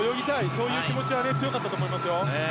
そういう気持ちは強かったと思いますよ。